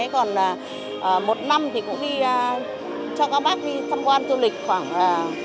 còn một năm thì cũng cho các bác đi thăm quan tu lịch khoảng hai đến ba lần